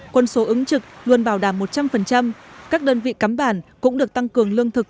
quân số ứng trực luôn bảo đảm một trăm linh các đơn vị cắm bản cũng được tăng cường lương thực